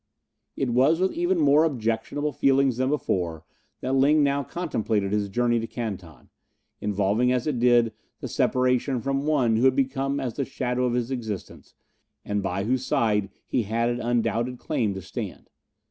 It was with even more objectionable feelings than before that Ling now contemplated his journey to Canton, involving as it did the separation from one who had become as the shadow of his existence, and by whose side he had an undoubted claim to stand.